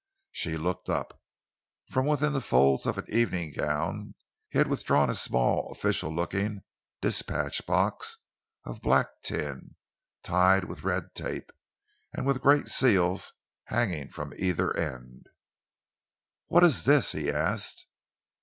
She looked up. From within the folds of an evening gown he had withdrawn a small, official looking dispatch box of black tin, tied with red tape, and with great seals hanging from either end. "What is this?" he asked.